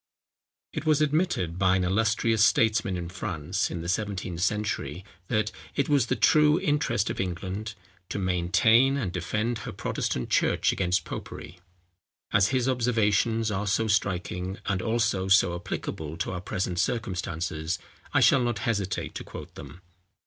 It was admitted by an illustrious statesman in France, in the seventeenth century, that it was the true interest of England to maintain and defend her Protestant church against popery. As his observations are so striking, and also so applicable to our present circumstances, I shall not hesitate to quote them.